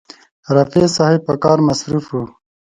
رفیع صاحب په کار مصروف و.